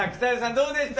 どうでした？